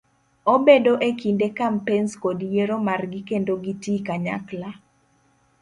Obedo ekinde kampens kod yiero margi kendo gitii kanyakla.